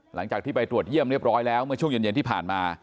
หลังจากที่ไปตรวจเยี่ยมเรียบร้อยแล้วเมื่อช่วงเย็นที่ผ่านมา